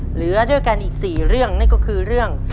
เหลือด้วยกันอีก๔เรื่องนั่นก็คือเรื่อง